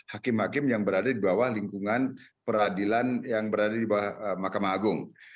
hakim hakim yang berada di bawah lingkungan peradilan yang berada di bawah mahkamah agung